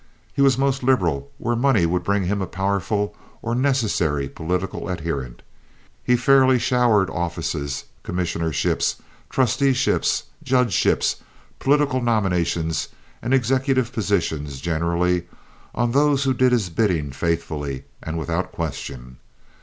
He was most liberal where money would bring him a powerful or necessary political adherent. He fairly showered offices—commissionerships, trusteeships, judgeships, political nominations, and executive positions generally—on those who did his bidding faithfully and without question.